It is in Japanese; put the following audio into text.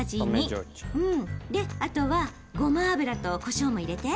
であとはごま油とこしょうも入れて。